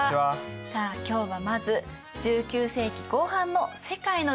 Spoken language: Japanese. さあ今日はまず１９世紀後半の世界の状況について。